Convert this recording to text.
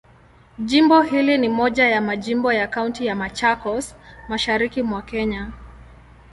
Jimbo hili ni moja ya majimbo ya Kaunti ya Machakos, Mashariki mwa Kenya.